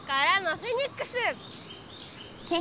フェニックス？